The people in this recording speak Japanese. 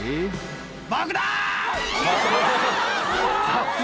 爆弾！